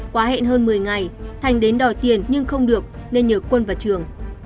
quá hẹn hơn một mươi ngày thành đến đòi tiền nhưng không được nên nhờ quân vào trường